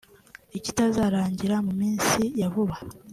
Ikitazarangira mu minsi ya vuba